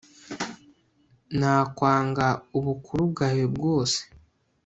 nakwanga ubukuru bwawe bwose